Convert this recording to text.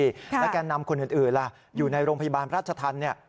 แล้วกันแกนนำคนอื่นอยู่ในโรงพยาบาลพระราชธรรมน์